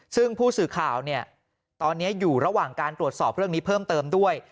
ซึ่งผู้สื่อข่าวเนี่ยตอนนี้อยู่ระหว่างการตรวจสอบเรื่องนี้เพิ่มเติมด้วย